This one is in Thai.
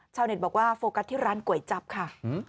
เน็ตบอกว่าโฟกัสที่ร้านก๋วยจับค่ะ